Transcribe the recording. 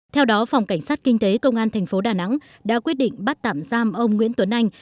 theo đó phòng cảnh sát kinh tế công an thành phố đà nẵng đã quyết định bắt tạm giam ông nguyễn tuấn anh